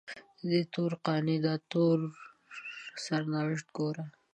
ددې تور قانع داتور سرنوشت ګوره